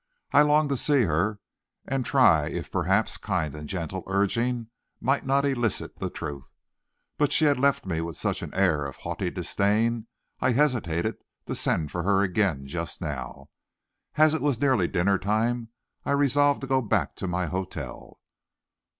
I longed to see her, and try if perhaps kind and gentle urging might not elicit the truth. But she had left me with such an air of haughty disdain, I hesitated to send for her again just now. And as it was nearly dinner time, I resolved to go back to my hotel.